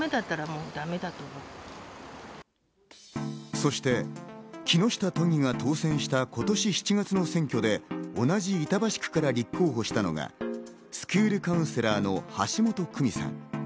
そして木下都議が当選した今年７月の選挙で同じ板橋区から立候補したのがスクールカウンセラーの橋本久美さん。